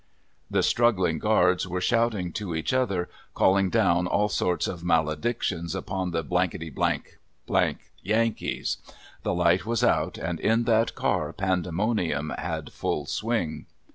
The struggling guards were shouting to each other, calling down all sorts of maledictions upon the Yankees. The light was out and in that car pandemonium had full swing.